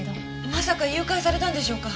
まさか誘拐されたんでしょうか？